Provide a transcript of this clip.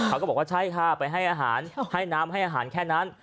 เขาก็บอกว่าใช่ค่ะไปให้อาหารให้น้ำให้อาหารแค่นั้น